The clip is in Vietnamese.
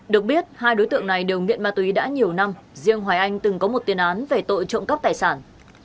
được biết hai đối tượng này đều nghiện ma túy đã nhiều năm riêng hoài anh từng có một tiền án về tội trộm cắp tài sản